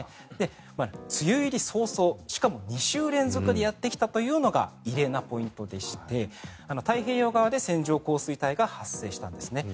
梅雨入り早々しかも２週連続でやってきたというのが異例なポイントでして太平洋側で線状降水帯が発生したんです。